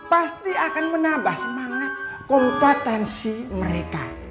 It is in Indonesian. pasti akan menambah semangat kompetensi mereka